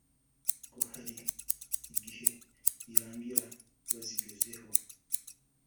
ngo hari igihe birangira bazigezeho